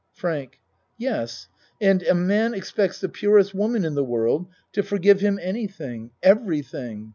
FRANK Yes, and a man expects the purest wo man in the world to forgive him anything every thing.